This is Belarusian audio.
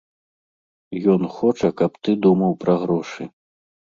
Ён хоча, каб ты думаў пра грошы.